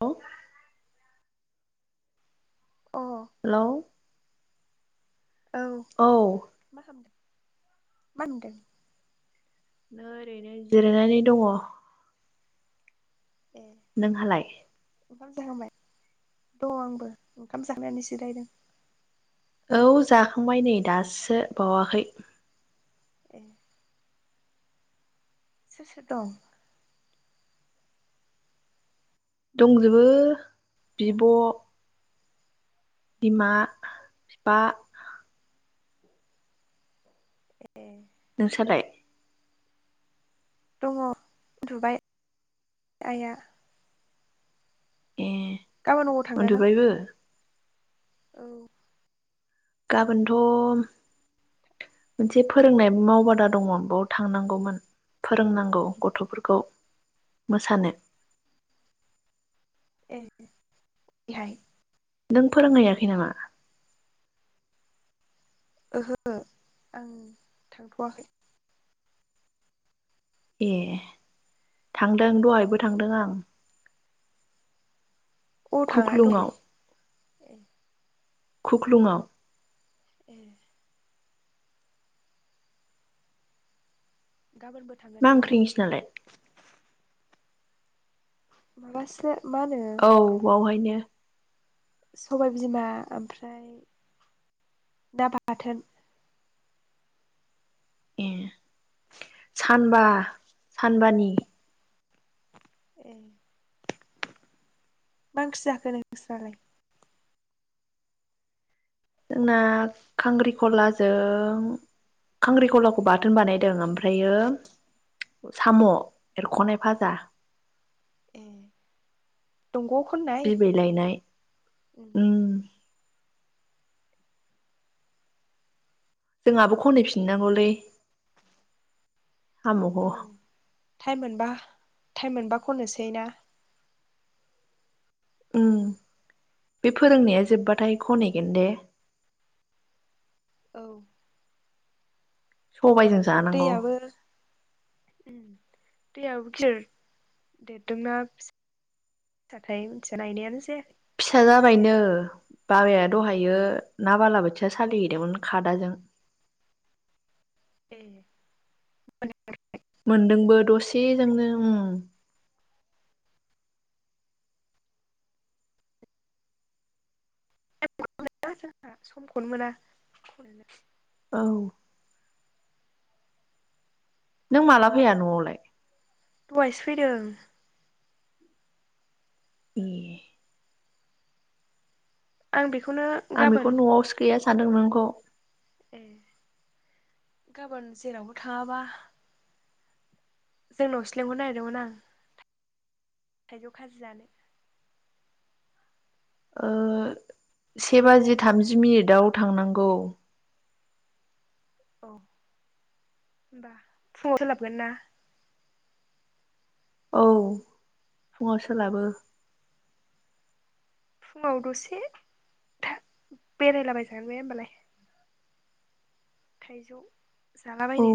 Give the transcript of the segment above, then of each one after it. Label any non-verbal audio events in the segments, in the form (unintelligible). औ अ औ हेलौ औ मा खालामदों? मा नुदों? नै ओरैनो जिरायनानै दङ। ए नोंहालाय? दं आंबो ओंखाम जाखांनानै जिरायदों। औ जाखांबाय नै दासो बावाखै। ए सोर सोर दं? दंजोबो बिब' बिमा फिफा ए नोंस्रालाय? दङ उन्दुबाय आइआ ए गाबोन अबाव थांगोन नों? उन्दुबायबो औ गाबोनथ' मोनसे फोरोंनाय मावबादा दङ बेयाव थांनांगौमोन फोरोंनांगौ गथ'फोरखौ मोसानो ए बेहाय नों फोरोंहैयाखै नामा? ओहो आं थांथ'वाखै ए थांदों दहायबो थांदों आं अ थाङा खुख्लुङाव दहायलाय? ए खुख्लुंआव ए गाबोनबो थांगोन मा ओंख्रि बेयावनो नोंसिनालाय माबासो मा होनो औ बावहायनो सबायबिमा ओमफ्राय ना बाथोन ए सानबा सानबानि ए मा ओंख्रि जाखो नोंस्रालाय? जोंना खांख्रिखलाजों खांख्रिखलाखौ बाथोन बानायदों ओमफ्रायो साम' एरख'नाय भाजा ए दंग'आव खननाय बिबै लायनाय उम ओम जोंहाबो खनहैफिननांगौलै। साम'खौ टायेम मोनबा खननोसै ना? उम बे फोरोंनाया जोबबाथाय खनैगोन दे। औ सबाइजों जानांगौ। दैयाबो उम दैयाबो गिदिर देददोंना फिसा थाय मिथिया नायनायानो जायाखै। फिसा जाबायनो बाबाया दहायो ना बालाबोथिया सालिहैदोंमोन खादाजों। ए (unintelligible) मोनदोंबो दसेजोंनो उम (unintelligible) समखौनो मोना। औ नों माला फैया न'वावलाय? दहायसो फैदों। ए आं बेफ आं बेखौ न'आवसो गैया सा सानदों नोंखौ। ए गाबोन जेरावबो थाङाबा जोंनावसो लेंहरनो नागेरदोंमोन आं थाइजौ खाजि जानो। ओ से बाजि थामजि मिनिदाव थांनांगौ। औ होनबा फुङाव सोलाबगोन ना? औ फुङाव सोलाबो। फुङाव दसे था बेरायलाबायजागोन बे ओमबालाय। थाइजौ औ जालाबायनो।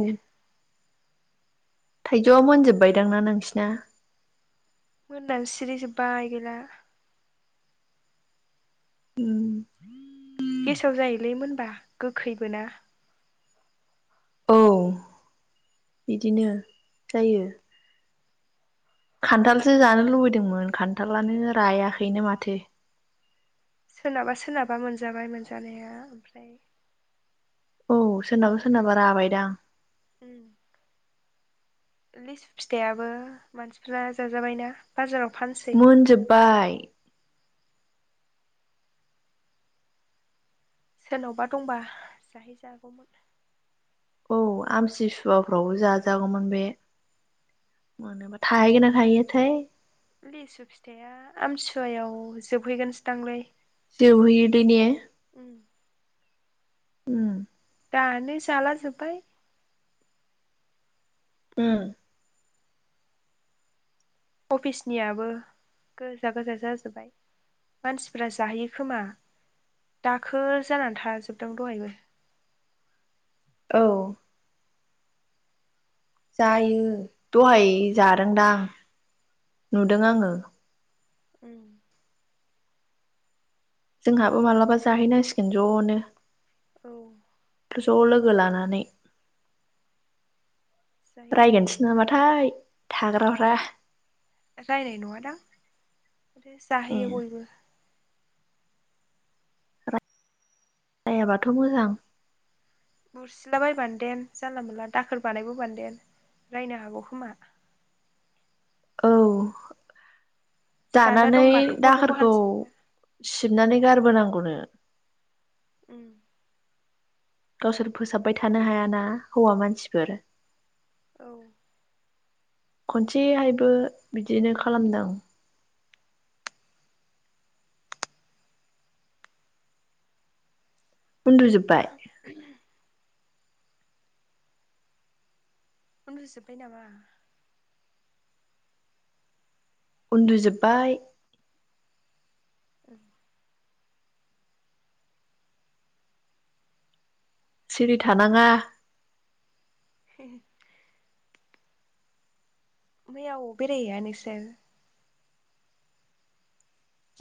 थाइजौआ मोनजोबबायदांना नोंसिना? मोननानै सिरि जोबबाय गैला। उम गेसाव जायोलै मोनबा गोखैबो ना। औ बिदिनो जायो खान्थालसो जानो लुबैदोंमोन खान्थालानो रायाखैनो माथो। सोरनाबा सोरनाबा मोनजाबाय मोनजानाया ओमफ्राय औ सोरनाबा सोरनाबा राजाबाय राबायदां। उम लिसु फिथाइयाबो मानसिफोरना जाजाबायना बाजाराव फानसै मोनजोब्बाय। सोरनावबा दंबा जाहैजागौमोन। औ आमथि सुवाफ्रावबो जाजागौमोन बे मोनोबा, थाहैगोन ना थाहैयोथाय? लिसु फिथाइया आमथिसुवायाव जोबहैगोनसोदांलै। जोबहैयोदै ने? उम उम दानो जाला जोब्बाय। उम अफिसनियाबो गोजा गोजा जाजोब्बाय मानसिफोरा जाहैयो खोमा दाखोर जानानै थाजोबदों दहायबो। औ जायो दहाय जादोंदां नुदों आङो। उम। जोंहाबो माब्लाबा जाहैनांसिगोन जनो औ जलोगो लानानानैै जाहैनांगौ रायगोनसो मालाबा नामाथाय थाग्रा (unintelligible) रायनाय नंङा दां माथो‌ ए जाहोयो बयबो रायाबाथ मोजां बुरसिला बायबा नो‌ देन जानला मोनला दाखोर बानायबोबा नो देन रायनो हागौ खोमा औ दान्दा जानानै दंबा थख' थख' दाखोरखौ हानसै सिबनानै गारबो नांगौ नो उम गावसोर फोसाबबाय थानो हायाना हौवा मानसिफोर औ खनसेहायबो बिदिनो खालामदों उन्दु जोबबाय उन्दु जोबबाय नामा उन्दुजोब्बाय उम सिरि थानांङा (inaudible) मैया अ बेरायहैया नोंसोर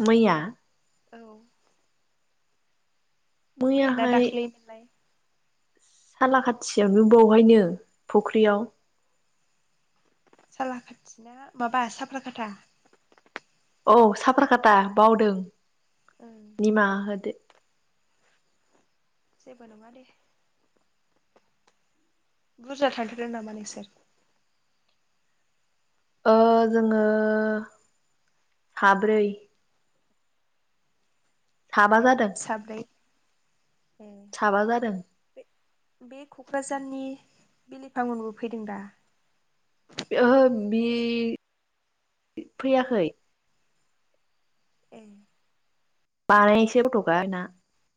मैया औ मैया ना दाख्लै मोनलाय साला खाथियावनो बावहायनो फुख्रियाव सालाकाथि ना माबा साफ्राकाथा औ साफ्राखाता बावदों ओं निमाहा‌ होदो जेबो नंङा दे बुरजा थांथारदों नामा नोंसोर ओ जोंङो साब्रै साबा जादों साब्रै साबा जादों बे कक्राझारनि बिलिफां मोनबो फैदों दा ओहो बे फैयाखै ए बानायसै फथखा ना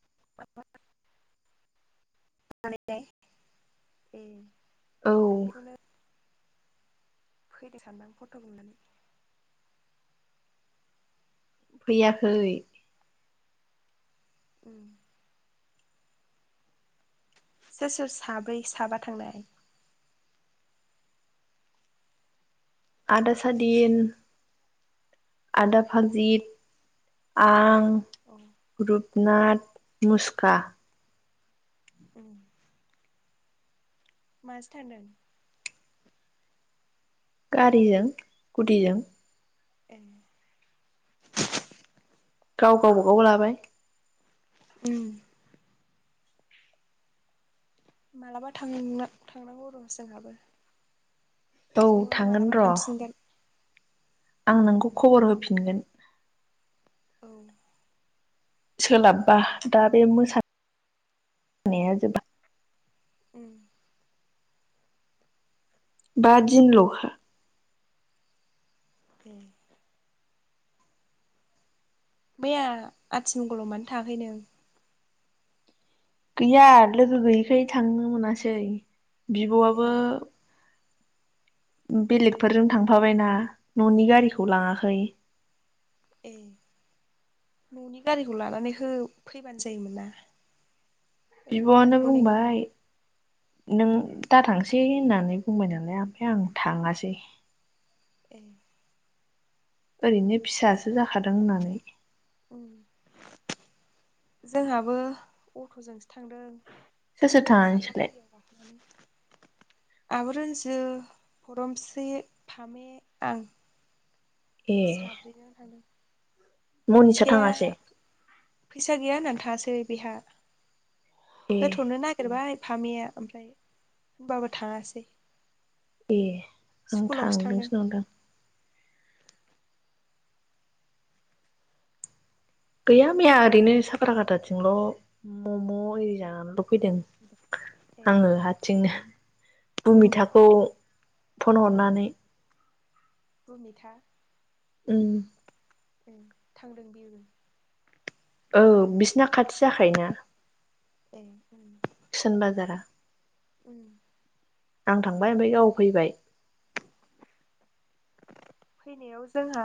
(unintelligible) औ (unintelligible) फैदो सानदां फट नुनानै फैयाखै उम सोर सोर साब्रै साबा थांनाय आदा सादिन आदा भाजित आं अ रुपनाथ मुसुखा उम माजो थांदों? गारिजों सकुटिजों ए गावगा बागाव लाबाय ओम मालाबा थांनो थांनांगौ र' जोंहाबो औ ज'नो थांगोन मालाबा र' थांफिनगोन आं नोंखौ खबर होफिनगोन औ सोलाबबा दा बे मोसा नाया जोब्बा उम बा दिन लखा ए मैया आथिमंगलाव मानो थाङाखै नों? गैया लोगो गैयिखाय थांनो मोनासै ए बिब'आबो बेलेगफोरजों थांफाबायना न'नि गारिखौ लाङाखै ए न'नि गारिखौ लानानै हो फैबानो जायोमोन ना बिब'आनो रुपनाखौ लेंना बुंबाय नों दा थांसै होननानै बुंबाय नालाय आमफाय आं थाङासै ए ओरैनो फिसासो जाखादों होननानै उम जोंहाबो अट'जोंसो थांदों सोर सोर थाङा नोंसोरलाय साफागुरियाव गाखोनानै आब'रुनजु फदमस्रि फामे आं ए साब्रैनो थादों मनिसा मनिसाया थाङासै फैसा गैया होननानै थाङासै बिहा ए होथ'नो नागिरबाय फामिया ओमफ्राय होमबाबो थाङासै ए आं स्कुलावसो थांदों थांदोंसो नंदों गैया मैया ओरैनो साफ्रा खाथाथिंल' मम' इरि जानानैल' फैदों ए आङो हाथसिंनो उम भुमिथाखौ फन हरनानै बुमिथा उम‌। थांदों बिबो औ बिसिना खाथि जाखायना ए। उम। आं थांबाय ओमफाय गाव फैबाय फैनायाव जोंहा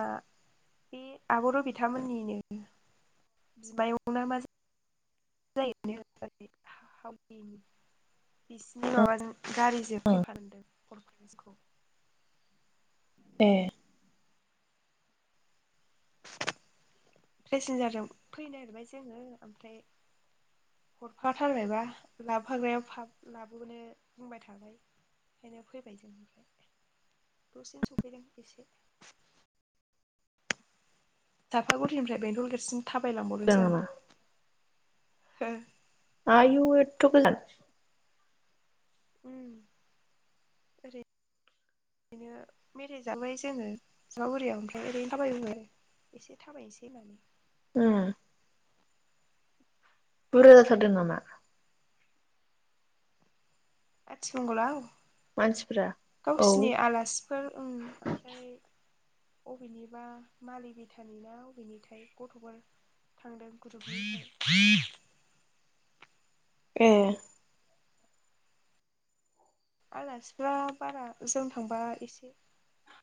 बे आबरबिथा बिथांमोननिनो बिमायंना मा जायो? (unintelligible) ए। पेसेन्जारजों फैनो नागिरबाय जोङो ओमफ्राय हरफाथारबायबा लाबोफाग्रायाव लाबोनो बुंबाय थाबाय ओंखायनो फैबाय जों ओमफ्राय दसेनो सफैदों एसे थाफागुरिनिफ्राय बेंथल गेदरसिम जादों थाबायलांबावदोंसो आं। नामा ओ। आयु एट गोजान। उम। बिदिनो मेराइ जाबोबाय जोङो जमागुरियाव ओमफ्राय ओरैनो थाबायबो आरो एसे थाबायनोसै होननानै। उम। बुरजा जाथारदों नामा? आथि मंगलाव। मानसिफ्रा औ गावसिनि आलासिफोर ओमफ्राय। अबेनिबा मालि बिथानि ना अबेनिथाय गथफोर थांदों गथ ए। आलासिफ्रा बारा जों थांबा एसे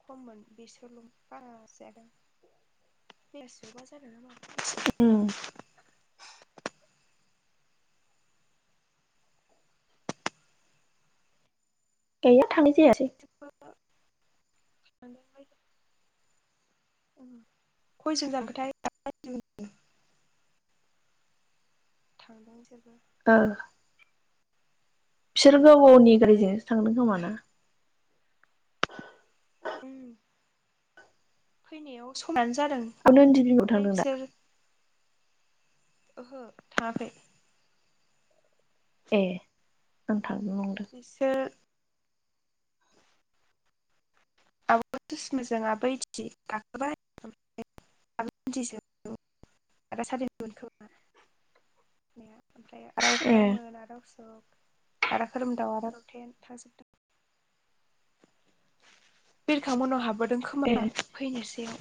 खममोन बेसोरल बारा जादों बे उम। (unintelligible) थांनायजायासै। मादों (unintelligible) थांदों जों ओ बुर्जा। बिसोर गाव गावनि गारिजोंसो थांनो खोमाना? उम फैनायाव समान आं नदिबिंआव थांदों दा? ओहो थाङाखै। ए उम। थांदों नंदों। बिसोर (unintelligible) ओमफ्राय आराव ए अख्रांमोन आदा आसक। आदा खोरोमदाव आदा रथेन थांजोबदों। बिरखां मोननाव हाबोद दों ए खोमा फैनोसै (inaudible)